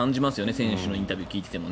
選手のインタビューを聞いても。